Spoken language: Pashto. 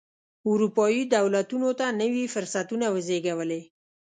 اروپايي دولتونو ته نوي فرصتونه وزېږولې.